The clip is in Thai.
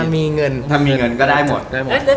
รถไฟเร็วมากกว่ากี่